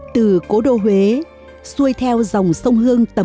từ cổ đô huế xuôi theo dòng sông hương tầm bảy km